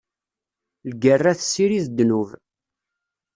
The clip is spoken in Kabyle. Lgerra tessirid ddnub.